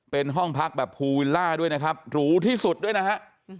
เป็นห้องพักแบบภูวิลล่าด้วยนะครับหรูที่สุดด้วยนะฮะ